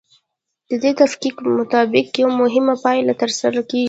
د دې تفکیک مطابق یوه مهمه پایله ترلاسه کیږي.